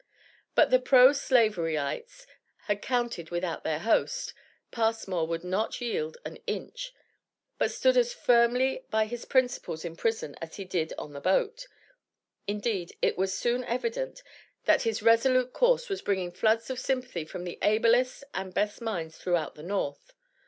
But the pro slaveryites had counted without their host Passmore would not yield an inch, but stood as firmly by his principles in prison, as he did on the boat. Indeed, it was soon evident, that his resolute course was bringing floods of sympathy from the ablest and best minds throughout the North.